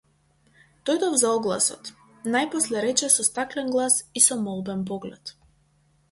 Дојдов за огласот, најпосле рече со стаклен глас и со молбен поглед.